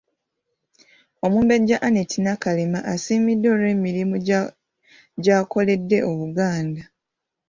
Omumbejja Annette Nakalema asiimiddwa olw'emirimu gy'akoledde Obuganda.